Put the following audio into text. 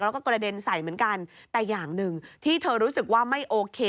แล้วก็กระเด็นใส่เหมือนกันแต่อย่างหนึ่งที่เธอรู้สึกว่าไม่โอเค